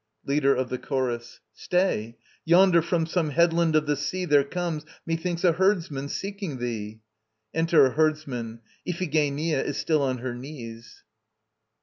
LEADER OF THE CHORUS. Stay, yonder from some headland of the sea There comes methinks a herdsman, seeking thee. (Enter a HERDSMAN. IPHIGENIA is still on her knees.)